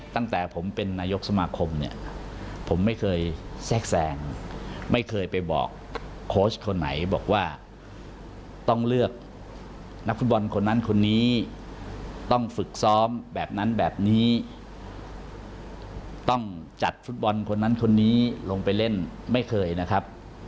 ตั้งแต่ผมเป็นนายกสมาคมเนี่ยผมไม่เคยแทรกแสงไม่เคยไปบอกโค้ชคนไหนบอกว่าต้องเลือกนักฟุตบอลคนนั้นคนนี้ต้องฝึกซ้อมแบบนั้นแบบนี้ต้องจัดฟุตบอลคนนั้นคนนี้ลงไปเล่นไม่เคยนะครับ